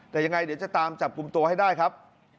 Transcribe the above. แต่ยังไงเดี๋ยวจะตามจับกลุ่มตัวให้ได้ครับ